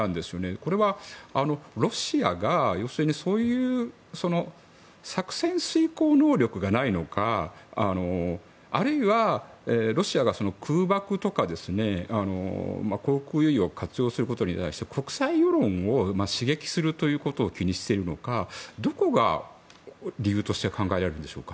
これは、ロシアがそういう作戦遂行能力がないのかあるいは、ロシアが空爆とか航空優位を活用することに対して国際世論を刺激するということを気にしているのかどこが理由として考えられるんでしょうか？